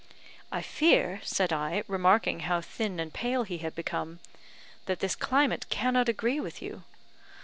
"I fear," said I, remarking how thin and pale he had become, "that this climate cannot agree with you."